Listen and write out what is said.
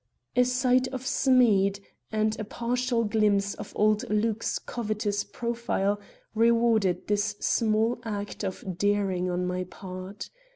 A sight of Smead, and a partial glimpse of old Luke's covetous profile, rewarded this small act of daring on my part.